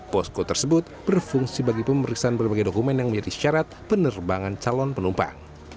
posko tersebut berfungsi bagi pemeriksaan berbagai dokumen yang menjadi syarat penerbangan calon penumpang